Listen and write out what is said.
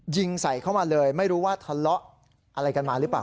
ยิงใส่เข้ามาเลยไม่รู้ว่าทะเลาะอะไรกันมาหรือเปล่า